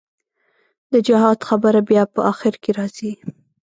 د جهاد خبره بيا په اخر کښې رځي.